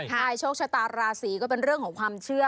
ใช่โชคชะตาราศีก็เป็นเรื่องของความเชื่อ